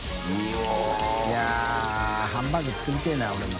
い筺ハンバーグ作りたいな俺も。